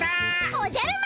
おじゃる丸！